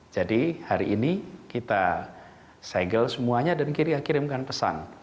jadi hari ini kita segel semuanya dan kirimkan pesan